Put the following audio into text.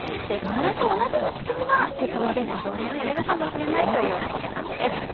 これと同じような仕組みが鉄道でも導入されるかもしれないということなんです。